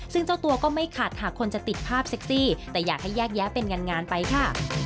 ซึ่งเจ้าตัวก็ไม่ขัดหากคนจะติดภาพเซ็กซี่แต่อยากให้แยกแยะเป็นงานไปค่ะ